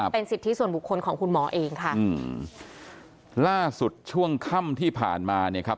เป็นสิทธิส่วนบุคคลของคุณหมอเองค่ะอืมล่าสุดช่วงค่ำที่ผ่านมาเนี่ยครับ